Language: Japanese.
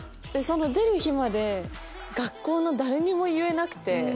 出る日まで学校の誰にも言えなくて。